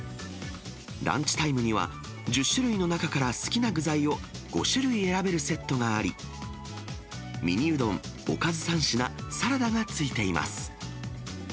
ランチタイムには、１０種類の中から好きな具材を５種類選べるセットがあり、ミニうどん、おかず３品、サラダがついています。